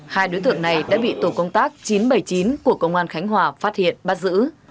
hai đối tượng này đã bị tổ công tác chín trăm bảy mươi chín của công an khánh hòa phát hiện bắt giữ